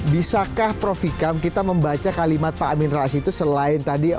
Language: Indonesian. dan beri tahu kepada para pelajar